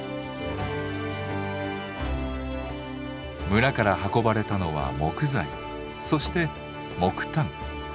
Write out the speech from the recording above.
村から運ばれたのは木材そして木炭。